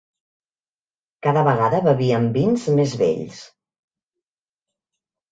Cada vegada bevíem vins més vells